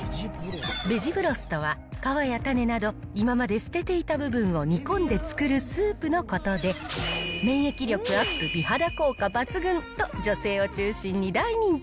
ベジブロスとは、皮や種など、今まで捨てていた部分を煮込んで作るスープのことで、免疫力アップ、美肌効果抜群と、女性を中心に大人気。